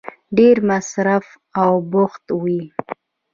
ډېر مصروف او بوخت وی